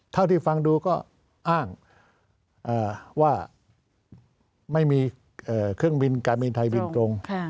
เท่าที่ฟังดูก็อ้างว่าไม่มีเครื่องบินการบินไทยบินตรง